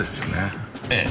ええ。